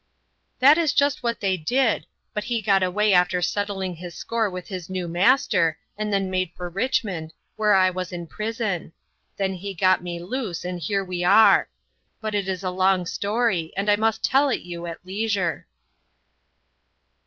"That is just what they did; but he got away after settling his score with his new master, and then made for Richmond, where I was in prison; then he got me loose, and here we are. But it is a long story, and I must tell it you at leisure."